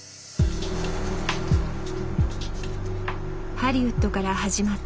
ハリウッドから始まった＃